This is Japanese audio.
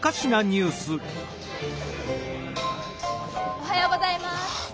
おはようございます。